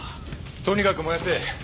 とにかく燃やせ。